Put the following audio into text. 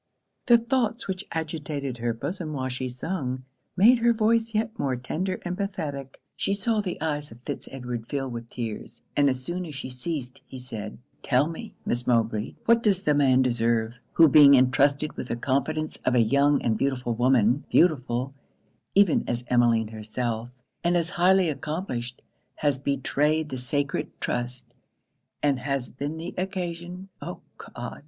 The thoughts which agitated her bosom while she sung, made her voice yet more tender and pathetic. She saw the eyes of Fitz Edward fill with tears; and as soon as she ceased he said 'Tell me, Miss Mowbray what does the man deserve, who being entrusted with the confidence of a young and beautiful woman beautiful, even as Emmeline herself, and as highly accomplished has betrayed the sacred trust; and has been the occasion oh God!